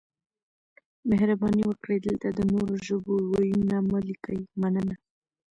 مهرباني وکړئ دلته د نورو ژبو وييونه مه لیکئ مننه